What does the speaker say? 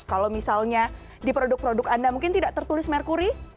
kalau misalnya di produk produk anda mungkin tidak tertulis merkuri